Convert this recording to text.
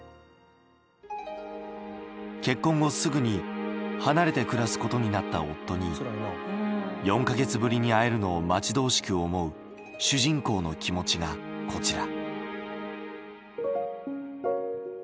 結婚後すぐに離れて暮らすことになった夫に４か月ぶりに会えるのを待ち遠しく思う主人公の気持ちがこちら。